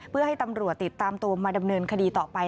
เพื่อให้ตำรวจติดตามตัวมาดำเนินคดีต่อไป